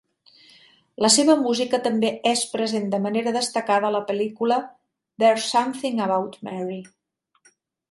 La seva música també es present de manera destacada a la pel·lícula "There's Something About Mary".